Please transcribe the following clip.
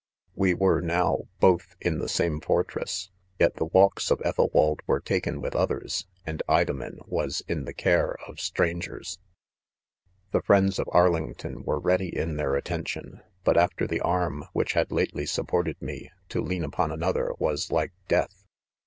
22 )•'.• L We were, now, both in the same fortress ; f,ei the walks of "Ethelwald were taken with ojthers, and Idoinen was in the care of stran gers ! 6 The friends of Arlington were_ready in their attention ; but after the arm which had lately supported me, to leaii upon aBOther was like death.